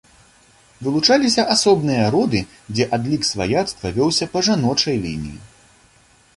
Вылучаліся асобныя роды, дзе адлік сваяцтва вёўся па жаночай лініі.